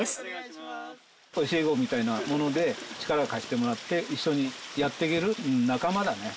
教え子みたいなもので力を貸してもらって一緒にやっていける仲間だね。